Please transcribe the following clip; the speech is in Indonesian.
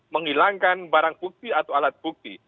menghilangkan barang bukti atau alat bukti